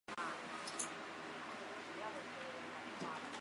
帮忙家里插秧